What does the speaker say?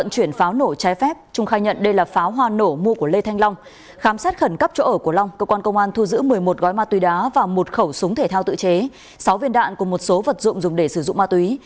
công an huyện eak tạm giữ một mươi một gói ma túy đá và một khẩu súng thể thao tự chế sáu viên đạn cùng một số vật dụng dùng để sử dụng ma túy